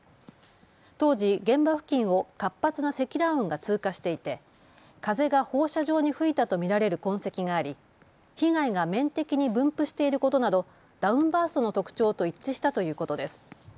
当時、現場付近を活発な積乱雲が通過していて風が放射状に吹いたと見られる痕跡があり被害が面的に分布していることなどダウンバーストの特徴と一致したということです。